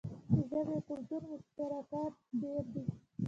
د ژبې او کلتور مشترکات ډیر دي.